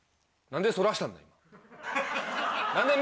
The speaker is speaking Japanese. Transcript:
何で目そらしたんだよ！